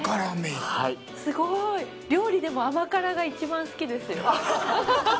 すごい！料理でも甘辛が一番好きです。